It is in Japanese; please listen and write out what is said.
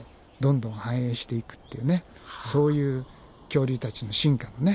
そういう恐竜たちの進化のね。